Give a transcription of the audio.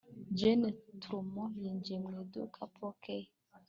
Jeanne Tourmont yinjiye mu iduka poke ye